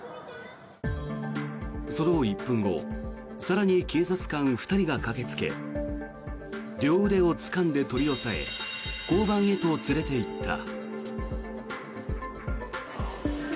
その１分後更に警察官２人が駆けつけ両腕をつかんで取り押さえ交番へと連れていった。